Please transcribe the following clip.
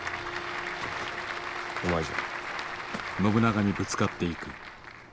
お前じゃ。